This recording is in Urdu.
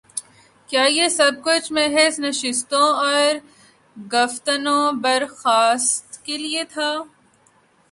کیا یہ سب کچھ محض نشستن و گفتن و برخاستن کے لیے تھا؟